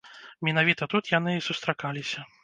Менавіта тут яны і сустракаліся.